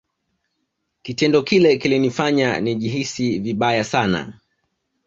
kitendo kile kilinifanya nijihisi vibaya sana